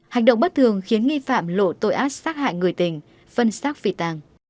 hành động bất thường khiến nghi phạm lộ tội ác sát hại người tình phân xác phi tàng